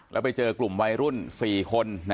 แล้วกับคลุมวัยรุ่น๔คน